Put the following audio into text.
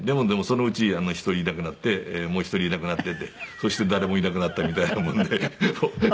でもそのうち１人いなくなってもう１人いなくなってってそして誰もいなくなったみたいなもので。